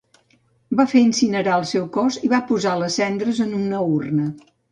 Va fer incinerar el seu cos i va posar les cendres en una urna.